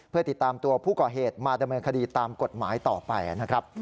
เพื่อติดตามตัวผู้ก่อเหตุมาดำเนินคดีตามกฎหมายต่อไปนะครับ